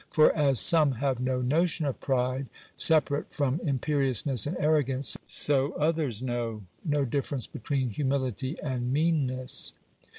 For, as some have no notion of pride, separate from imperiousness and arrogance, so others know no difference between humility and meanness.